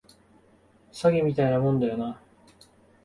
詐欺みたいなもんだよな